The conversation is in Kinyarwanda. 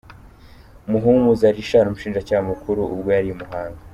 Muhumuza Richard Umushinjacyaha Mukuru ubwo yari i Muhanga.